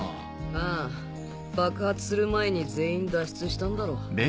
ああ爆発する前に全員脱出したんだろ。